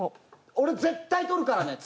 俺絶対とるからね次。